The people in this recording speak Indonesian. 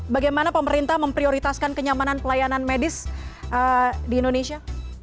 bagaimana pemerintah memprioritaskan kenyamanan pelayanan medis di indonesia